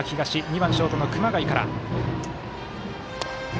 ２番ショートの熊谷から。